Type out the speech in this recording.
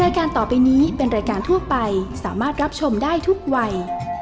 รายการต่อไปนี้เป็นรายการทั่วไปสามารถรับชมได้ทุกวัย